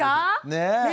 ねえ。